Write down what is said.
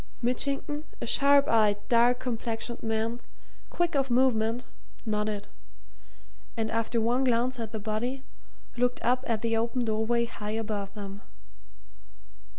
Mitchington, a sharp eyed, dark complexioned man, quick of movement, nodded, and after one glance at the body, looked up at the open doorway high above them.